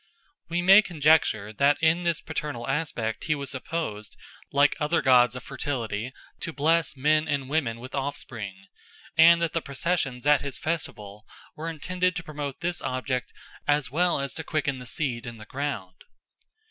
We may conjecture that in this paternal aspect he was supposed, like other gods of fertility, to bless men and women with offspring, and that the processions at his festival were intended to promote this object as well as to quicken the seed in the ground.